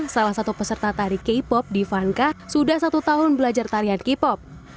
salah satu peserta tari k pop di vanka sudah satu tahun belajar tarian k pop